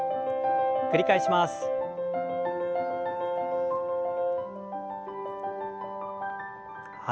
繰り返します。